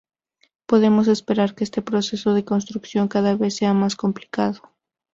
Podemos esperar que este proceso de construcción cada vez sea más complicado.